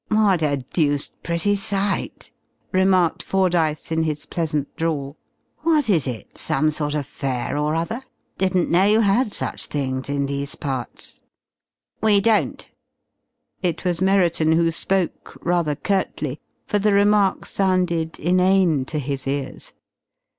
"What a deuced pretty sight!" remarked Fordyce, in his pleasant drawl. "What is it? Some sort of fair or other? Didn't know you had such things in these parts." "We don't." It was Merriton who spoke, rather curtly, for the remark sounded inane to his ears.